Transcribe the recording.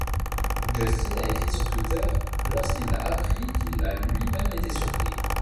Justin a écrit sur Twitter lorsqu'il l'a appris qu'il a lui-même été surpris.